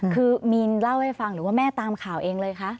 คือมีนเล่าให้ฟังหรือว่าแม่ตามข่าวเองเลยคะ